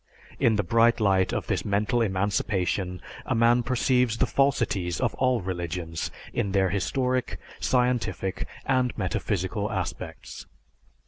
In the bright light of this mental emancipation a man perceives the falsities of all religions in their historic, scientific, and metaphysical aspects.